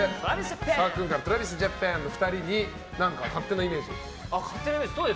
さっくんからＴｒａｖｉｓＪａｐａｎのお二人に勝手なイメージを。